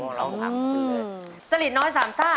เออเราร้องซ่ามตัวเลย